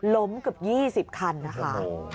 ล้มกับ๒๐คันค่ะ